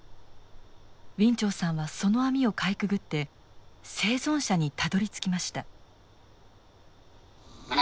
ウィン・チョウさんはその網をかいくぐって生存者にたどりつきました。